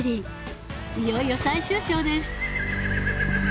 いよいよ最終章です